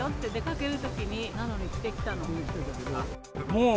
もう。